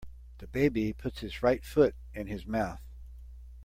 The baby puts his right foot in his mouth.